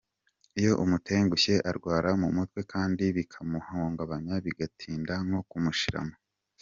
Iyo umutengushye, arwara umutwe kandi bikamuhungabanya bigatinda no kumushiramo.